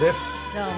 どうも。